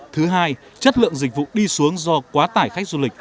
thứ hai chất lượng dịch vụ đi xuống do quá tải khách du lịch